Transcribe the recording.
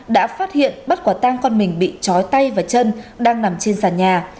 đã phát hiện bắt quả tang con mình bị chói tay và chân đang nằm trên sàn nhà